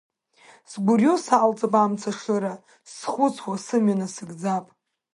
Сгәырҩо салҵып амца шыра, схәыцуа сымҩа насыгӡап.